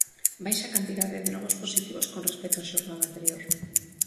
Baixa a cantidade de novos positivos con respecto á xornada anterior.